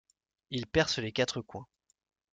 ils percent les quatre coins